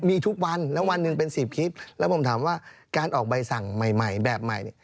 มีทุกวันแล้ววันหนึ่งเป็น๑๐คลิปแล้วผมถามว่าการออกใบสั่งใหม่แบบใหม่เนี่ย